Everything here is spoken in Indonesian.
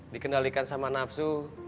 dikendalikan sama nafsu